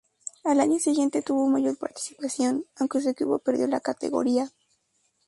Al año siguiente tuvo mayor participación, aunque su equipo perdió la categoría.